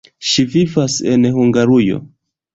Ŝi vivas en Hungarujo.